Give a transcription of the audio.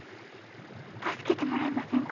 助けてもらえませんか？